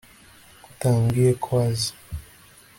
ko utambwiye ko aza